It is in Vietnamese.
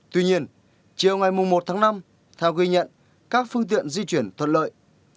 tuy nhiên chiều ngày một tháng năm theo ghi nhận các phương tiện di chuyển thuận lợi